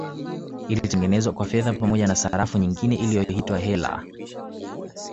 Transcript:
Ilitengenezwa kwa fedha pamoja na sarafu nyingine iliyoitwa Heller